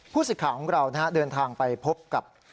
สิทธิ์ข่าวของเราเดินทางไปพบกับ